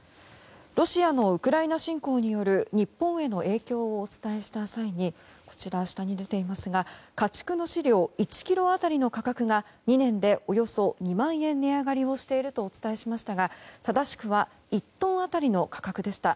ロシアのウクライナ侵攻による日本への影響をお伝えした際に一番下に出ていますが家畜の飼料１ｋｇ当たりの価格が２年でおよそ２万円値上がりをしているとお伝えしましたが正しくは１トン当たりの価格でした。